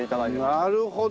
なるほど！